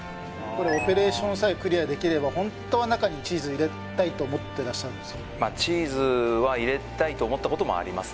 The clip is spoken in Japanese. これオペレーションさえクリアできればホントは中にチーズ入れたいと思ってらっしゃるんですか？